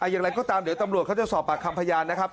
อย่างไรก็ตามเดี๋ยวตำรวจเขาจะสอบปากคำพยานนะครับ